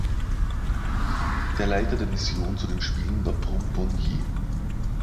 Der Leiter der Mission zu den Spielen war Prum Bun Yi.